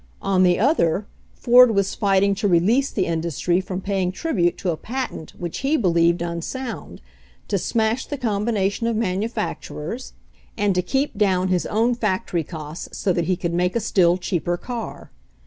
On the other, Ford was fighting to release the industry from paying tribute to a patent which he believed unsound, to smash the combination of manufacturers, and to i35 136 HENRY FORD'S OWN STORY keep down his own factory costs so that he could make a still cheaper car.